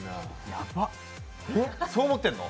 ヤバ、え、そう思ってるの？